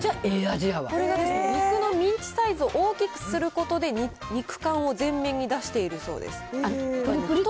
これが肉のミンチサイズを大きくすることで、肉感を前面に出しているそうです。